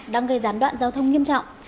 đang gây gián đoạn giao thông nghiêm trọng